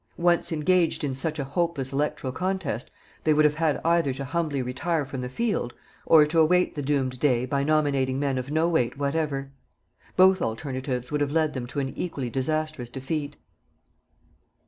Once engaged in such a hopeless electoral contest, they would have had either to humbly retire from the field, or to await the doomed day by nominating men of no weight whatever. Both alternatives would have led them to an equally disastrous defeat.